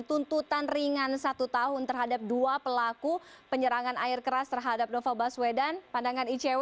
tuntutan ringan satu tahun terhadap dua pelaku penyerangan air keras terhadap novel baswedan pandangan icw